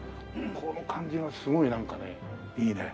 この感じはすごいなんかねいいね。